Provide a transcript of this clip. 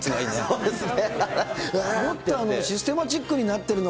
そうですね。